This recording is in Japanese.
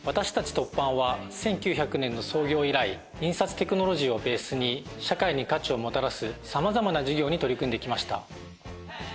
ＴＯＰＰＡＮは１９００年の創業以来印刷テクノロジーをベースに社会に価値をもたらすさまざまな事業に取り組んできました。